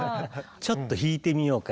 ちょっと弾いてみようか。